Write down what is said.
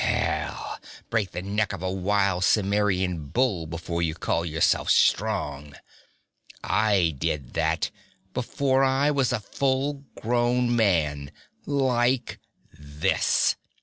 Hell! Break the neck of a wild Cimmerian bull before you call yourself strong. I did that, before I was a full grown man like this!'